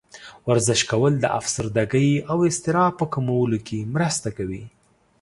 ورزش کول د افسردګۍ او اضطراب په کمولو کې مرسته کوي.